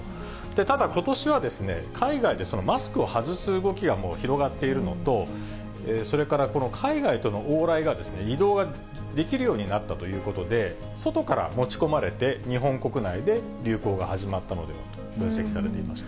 ただ、ことしは海外でマスクを外す動きがもう広がっているのと、それからこの海外との往来が、移動ができるようになったということで、外から持ち込まれて、日本国内で流行が始まったのではと分析されていました。